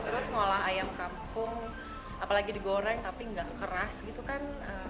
terus ngolah ayam kampung apalagi digoreng tapi nggak keras gitu kan